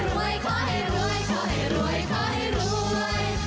และขอให้รวยขอให้รวยขอให้รวยขอให้รวย